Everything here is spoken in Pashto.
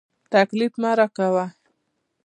تکليف مه راکوه.